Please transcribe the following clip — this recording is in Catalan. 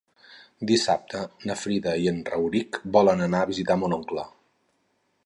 Dissabte na Frida i en Rauric volen anar a visitar mon oncle.